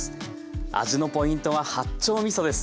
味のポイントは八丁みそです。